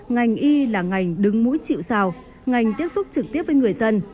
ngành y là ngành đứng mũi chịu sao ngành tiếp xúc trực tiếp với người dân